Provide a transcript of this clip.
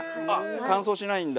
乾燥しないんだ。